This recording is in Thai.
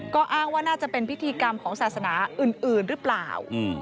ก็อ้างว่าน่าจะเป็นพิธีกรรมของศาสนาอื่นหรือเปล่า